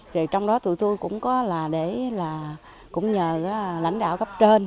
rồi trong đó tụi tôi cũng có là để là cũng nhờ lãnh đạo cấp trên